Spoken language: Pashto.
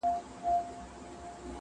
لکه کوچۍ پر ګودر مسته جګه غاړه ونه!.